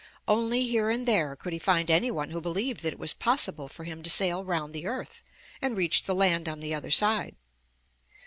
Only here and there could he find any one who believed that it was possible for him to sail round the earth and reach the land on the other side.